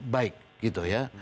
baik gitu ya